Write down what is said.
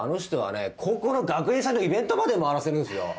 高校の学園祭のイベントまで回らせるんすよ。